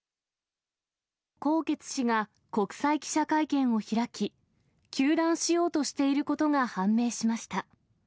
宏傑氏が国際記者会見を開き、糾弾しようとしていることが判明しました。